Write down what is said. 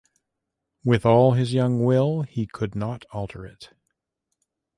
With all his young will he could not alter it.